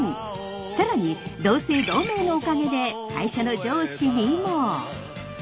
更に同姓同名のおかげで会社の上司にも。